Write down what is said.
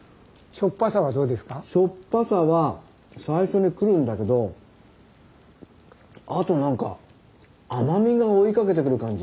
しょっぱさは最初に来るんだけどあとなんか甘みが追いかけてくる感じ。